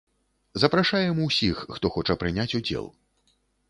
Запрашаем усіх, хто хоча прыняць удзел.